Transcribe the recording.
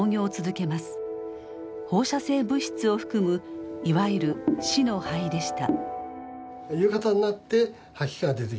放射性物質を含むいわゆる死の灰でした。